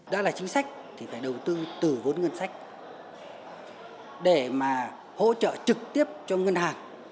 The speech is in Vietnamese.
đó là chính sách thì phải đầu tư từ vốn ngân sách để mà hỗ trợ trực tiếp cho ngân hàng